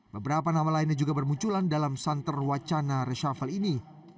beberapa nama lainnya juga bermunculan dalam santer wacana reshuffle ini